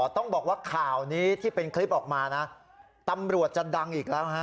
ต้องบอกว่าข่าวนี้ที่เป็นคลิปออกมานะตำรวจจะดังอีกแล้วฮะ